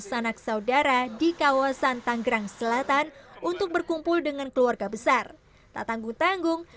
sanak saudara di kawasan tanggerang selatan untuk berkumpul dengan keluarga besar tak tanggung tanggung